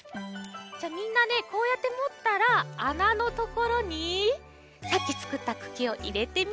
じゃあみんなねこうやってもったらあなのところにさっきつくったくきをいれてみてください。